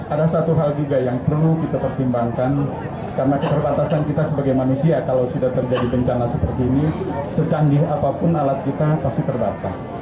ada satu hal juga yang perlu kita pertimbangkan karena keterbatasan kita sebagai manusia kalau sudah terjadi bencana seperti ini secanggih apapun alat kita pasti terbatas